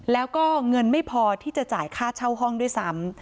แล้วก็เงินไม่พอที่จะจ่ายค่าเช่าห้องด้วยซ้ำ